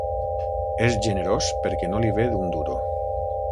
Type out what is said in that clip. És generós perquè no li ve d'un duro.